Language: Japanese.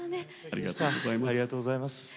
ありがとうございます。